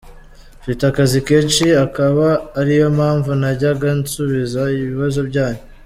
Mfite akazi kenshi, akaba ariyompamvu ntajyaga nsubiza ibibazo byanyu”.